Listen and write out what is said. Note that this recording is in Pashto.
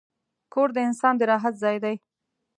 کور د انسان د راحت ځای دی.